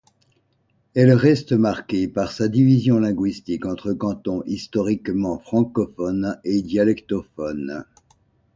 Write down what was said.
Elle reste marquée par sa division linguistique entre cantons historiquement francophones et dialectophones.